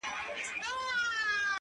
o رڼا ترې باسم له څراغه ،